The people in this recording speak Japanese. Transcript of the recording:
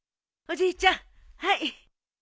おじいちゃんはい。